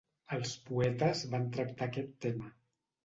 Els poetes van tractar aquest tema.